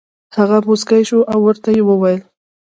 هغه موسکی شو او ورته یې وویل: